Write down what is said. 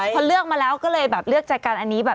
พอเลือกมาแล้วก็เลยเลือกแจกันอันนี้